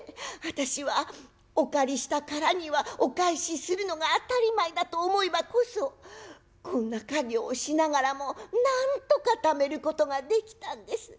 私はお借りしたからにはお返しするのが当たり前だと思えばこそこんな稼業をしながらもなんとかためることができたんです。